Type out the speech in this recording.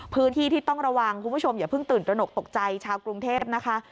พื้นที่ที่ต้องระวังคุณผู้ชมอย่าเพิ่งตื่นตระหนกตกใจชาวกรุงเทพนะคะ